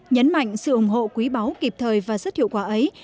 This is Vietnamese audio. nhấn mạnh sự ủng hộ quý báu kịp thời và rất hiệu quả ấy